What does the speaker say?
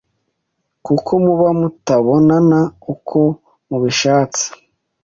kuko muba mutabonana uko mubishatse.